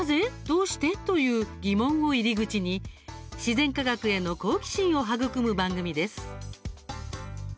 「どうして？」という疑問を入り口に自然科学への好奇心を育む番組です。